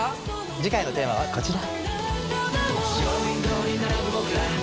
次回のテーマはこちら。